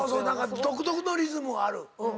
何か独特のリズムはある。